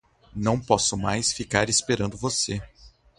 Não posso mais ficar esperando você.